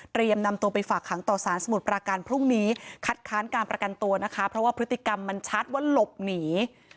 นำตัวไปฝากขังต่อสารสมุทรปราการพรุ่งนี้คัดค้านการประกันตัวนะคะเพราะว่าพฤติกรรมมันชัดว่าหลบหนี